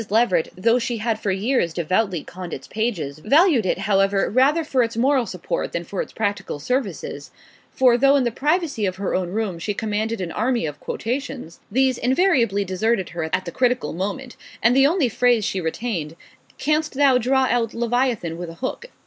Leveret, though she had for years devoutly conned its pages, valued it, however, rather for its moral support than for its practical services; for though in the privacy of her own room she commanded an army of quotations, these invariably deserted her at the critical moment, and the only phrase she retained Canst thou draw out leviathan with a hook?